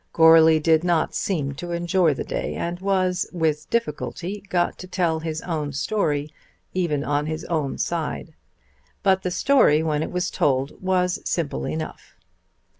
Goarly did not seem to enjoy the day, and was with difficulty got to tell his own story even on his own side. But the story when it was told was simple enough.